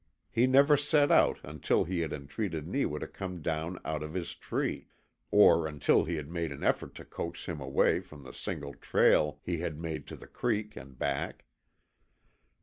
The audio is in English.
He never set out until he had entreated Neewa to come down out of his tree, or until he had made an effort to coax him away from the single trail he had made to the creek and back.